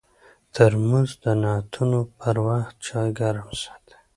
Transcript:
ترموز د نعتونو پر وخت چای ګرم ساتي.